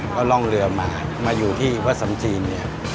ก็ร่องเรือมามาอยู่ที่วัดสำจีนเนี่ย